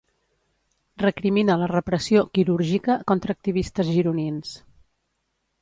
Recrimina la repressió “quirúrgica” contra activistes gironins.